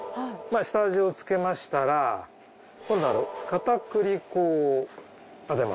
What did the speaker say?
下味をつけましたら今度は片栗粉をあてます。